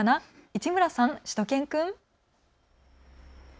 市村さん、しゅと犬くん。